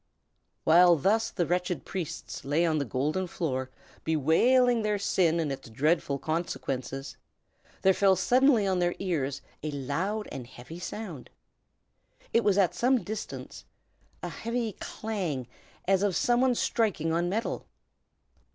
While thus the wretched priests lay on the golden floor, bewailing their sin and its dreadful consequences, there fell suddenly on their ears a loud and heavy sound. It was at some distance, a heavy clang, as of some one striking on metal.